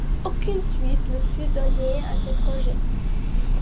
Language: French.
Aucune suite ne fut donnée à ces projets.